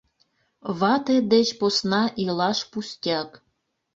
«Вате деч посна илаш пустяк!»